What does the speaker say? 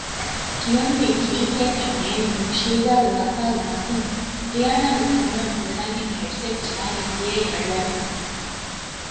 ކިޔަންވީ ކީކޭ ކަން ނޭނގުމުން ޝީޒާގެ ލަފާގެ މަތިން ރިޔާނާގެ ފޯނަށް ގުޅައިގެން ހެޑްސެޓް ޖަހައިގެން ދިޔައީ އަޑުއަހަމުން